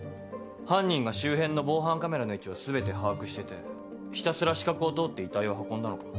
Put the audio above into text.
犯人が周辺の防犯カメラの位置を全て把握しててひたすら死角を通って遺体を運んだのかも。